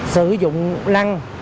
sử dụng lăng